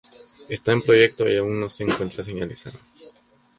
Está en proyecto y aún no se encuentra señalizado.